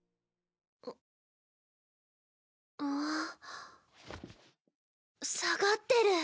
あっ下がってる。